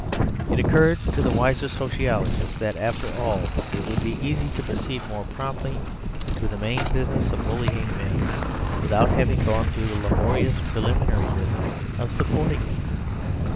It occurred to the wiser sociologists that, after all, it would be easy to proceed more promptly to the main business of bullying men, without having gone through the laborious preliminary business of supporting them.